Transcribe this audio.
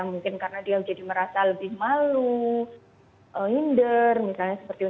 mungkin karena dia menjadi merasa lebih malu hinder misalnya seperti itu